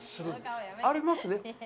ありますね。